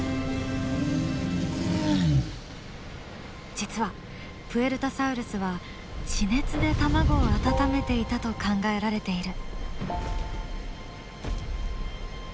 実はプエルタサウルスは地熱で卵を温めていたと考えられている。